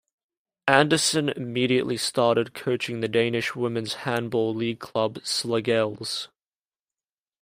Andersen immediately started coaching the Danish Women's Handball League club Slagelse.